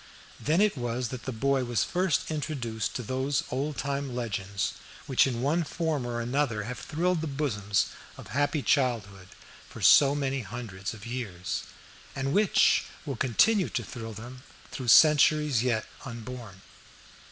Then it was that the boy was first introduced to those old time legends which in one form or another have thrilled the bosoms of happy childhood for so many hundreds of years, and which will continue to thrill them through centuries yet unborn.